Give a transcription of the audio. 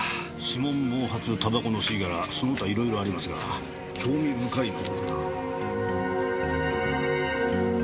指紋毛髪タバコの吸い殻その他いろいろありますが興味深いのは。